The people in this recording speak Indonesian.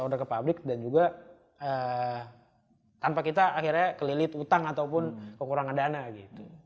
sudah ke publik dan juga tanpa kita akhirnya kelilit utang ataupun kekurangan dana gitu